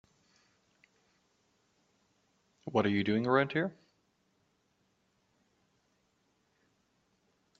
What are you doing around here?